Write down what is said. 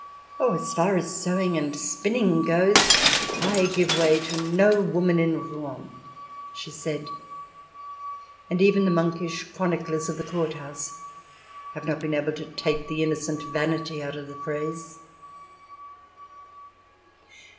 " Oh, as far as sewing and spinning goes, I give way to no woman in Rouen !" she said, and even the monkish chroniclers of the court house have not been able to take the innocent vanity out of the phrase.